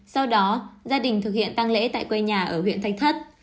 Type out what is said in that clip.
sau đó gia đình thực hiện tăng lễ tại quê nhà ở huyện thanh thất